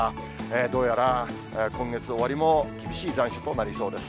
どうやら今月終わりも厳しい残暑となりそうです。